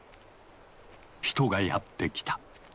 人がやって来た。